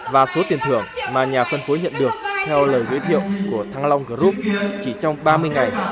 và số tiền thưởng mà nhà phân phối nhận được theo lời giới thiệu của thăng long group chỉ trong ba mươi ngày